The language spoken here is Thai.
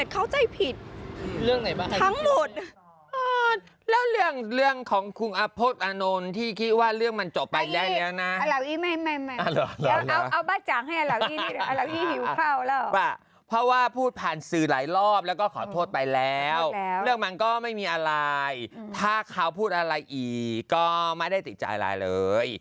ก็ไม่ได้ติดใจมาเลย